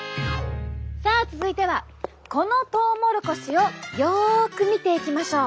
さあ続いてはこのトウモロコシをよく見ていきましょう。